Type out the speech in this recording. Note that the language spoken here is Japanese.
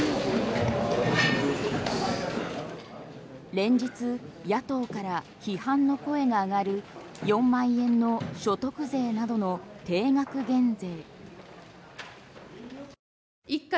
連日、野党から批判の声が上がる４万円の所得税などの定額減税。